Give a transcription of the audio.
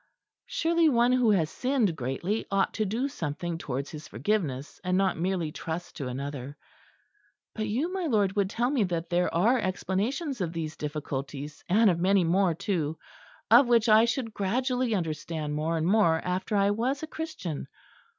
Surely one who has sinned greatly ought to do something towards his forgiveness, and not merely trust to another. But you, my lord, would tell me that there are explanations of these difficulties, and of many more too, of which I should gradually understand more and more after I was a Christian.